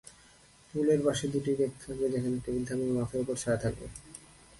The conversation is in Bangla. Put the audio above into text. পুলের পাশে দুটি ডেক থাকবে, যেখানে টেবিল থাকবে, মাথার ওপর ছায়া থাকবে।